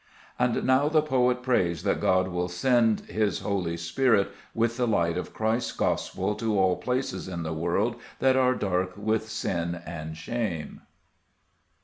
And now the poet prays that God will send His Holy Spirit with the light of Christ's gospel to all places in the world that are dark with sin and shame.